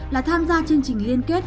là tham gia chương trình liên kết